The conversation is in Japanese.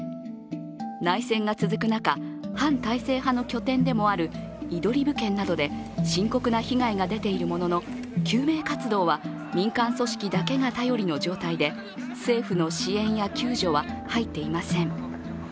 内戦が続く中、反体制派の拠点でもあるイドリブ県などで深刻な被害が出ているものの救命活動は民間組織だけが頼りの状態で政府の支援や救助は入っていません。